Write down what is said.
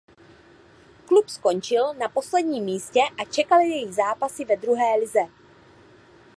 Klub skončil na posledním místě a čekali jej zápasy ve druhé lize.